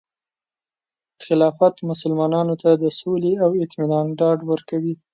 خلافت مسلمانانو ته د سولې او اطمینان ډاډ ورکوي.